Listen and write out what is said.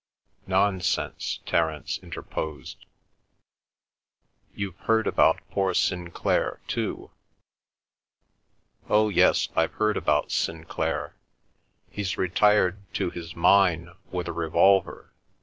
"Nonsense!" Terence interposed. "You've heard about poor Sinclair, too?" "Oh, yes, I've heard about Sinclair. He's retired to his mine with a revolver.